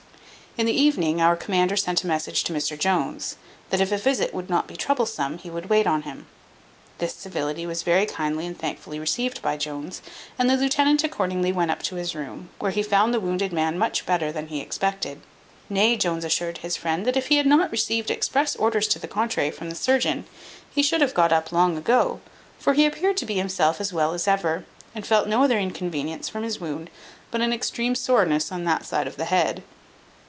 In the evening, our commander sent a message to Mr Jones, that if a visit would not be troublesome, he would wait on him. This civility was very kindly and thankfully received by Jones, and the lieutenant accordingly went up to his room, where he found the wounded man much better than he expected; nay, Jones assured his friend, that if he had not received express orders to the contrary from the surgeon, he should have got up long ago; for he appeared to himself to be as well as ever, and felt no other inconvenience from his wound but an extreme soreness on that side of his head.